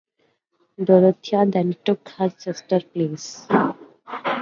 Dorothea then took her sister's place.